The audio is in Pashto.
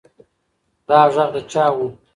دا غږ د چا و؟